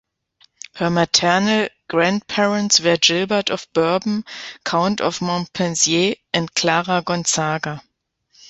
Her maternal grandparents were Gilbert of Bourbon, Count of Montpensier, and Clara Gonzaga.